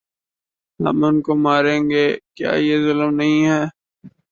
ہم ان کو ماریں کیا یہ ظلم نہیں ہے ۔